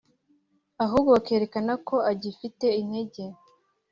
ahubwo bakerekana ko agifite intege